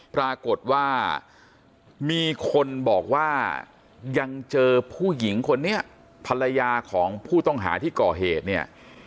ปรากฏว่ามีคนบอกว่ายังเจอผู้หญิงคนนี้ภรรยาของผู้ต้องหาที่ก่อเหตุเนี่ย